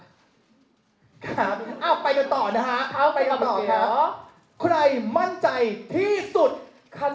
ครับอ้าวไปกันต่อนะฮะ